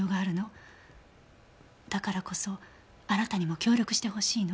だからこそあなたにも協力してほしいの。